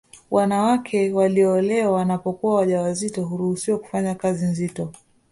Wanawake walioolewa wanapokuwa waja wazito huruhusiwa kutofanya kazi nzito